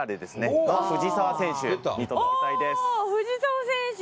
お藤澤選手。